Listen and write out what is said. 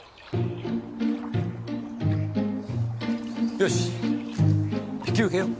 よし引き受けよう。